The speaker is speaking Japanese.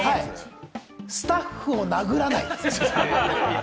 スタッフを殴らない。